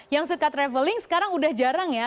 yang sekat traveling sekarang udah jarang ya